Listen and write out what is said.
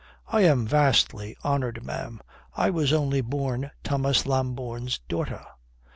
"I am vastly honoured, ma'am. I was only born Thomas Lambourne's daughter."